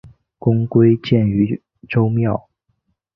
公归荐于周庙。